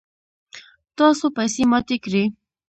تاسو پیسی ماتی کړئ